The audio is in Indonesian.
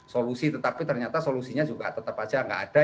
solusi tetapi ternyata solusinya juga tetap saja nggak ada